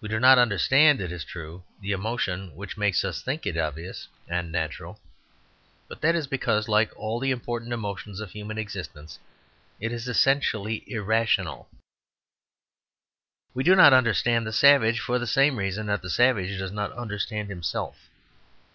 We do not understand, it is true, the emotion which makes us think it obvious and natural; but that is because, like all the important emotions of human existence it is essentially irrational. We do not understand the savage for the same reason that the savage does not understand himself.